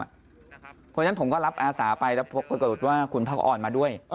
เพราะฉะนั้นผมก็รับอาสาไปแล้วก็อาจจะบอกว่าคุณพระอร์ดมาด้วย